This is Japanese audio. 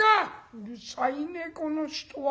「うるさいねこの人は。